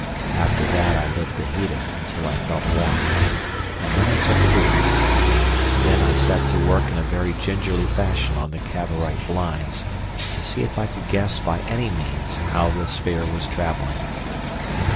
After that I lit the heater until I felt warm, and then I took food. Then I set to work in a very gingerly fashion on the Cavorite blinds, to see if I could guess by any means how the sphere was travelling.